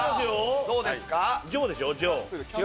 どうですか？